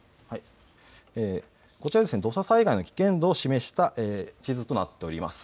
こちら土砂災害の危険度を示した地図となっています。